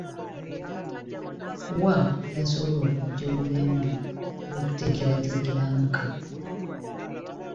Wa gy’osobola okuggya obuyambi bw’okuteekerateekera amaka?